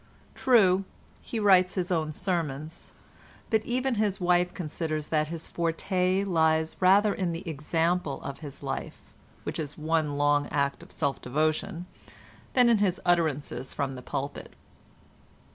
True, he writes his own sermons, but even his wife considers that his forte lies rather in the example of his life (which is one long act of self devotion) than in his utterances from the pulpit.